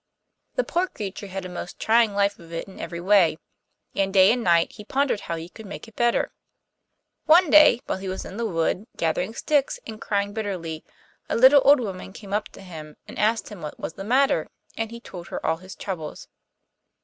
The poor creature had a most trying life of it in every way, and day and night he pondered how he could make it better. One day, when he was in the wood gathering sticks and crying bitterly, a little old woman came up to him and asked him what was the matter; and he told her all his troubles.